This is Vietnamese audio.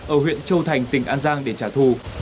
ở huyện châu thành tỉnh an giang để trả thù